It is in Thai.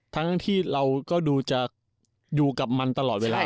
ทั้งที่เราก็ดูกระบุมันตะหลอดเวลา